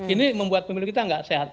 ini membuat pemilu kita nggak sehat